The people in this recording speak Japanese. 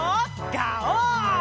ガオー！